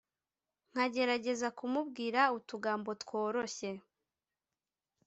nkagerageza kumubwira utugambo tworoshye